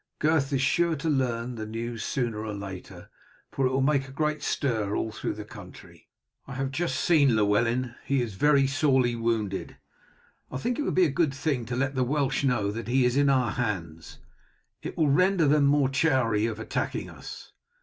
Gurth is sure to learn the news sooner or later, for it will make a great stir all through the country. I have just seen Llewellyn, he is very sorely wounded. I think it would be a good thing to let the Welsh know that he is in our hands, it will render them more chary of attacking us.